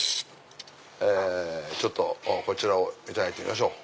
ちょっとこちらをいただいてみましょう。